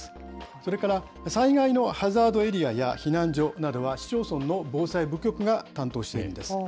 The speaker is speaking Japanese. それから災害のハザードエリアや避難所などは、市町村の防災部局が担当しているんです。